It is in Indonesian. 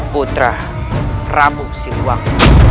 putra rabu siliwang